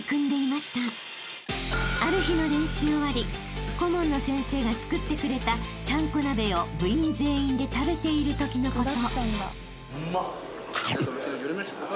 ［ある日の練習終わり顧問の先生が作ってくれたちゃんこ鍋を部員全員で食べているときのこと］